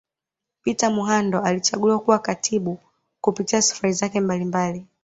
Peter Muhando alichaguliwa kuwa katibu Kupitia Safari zake mbalimbali